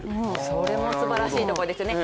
それもすばらしいところですよね。